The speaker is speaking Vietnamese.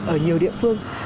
ở nhiều địa phương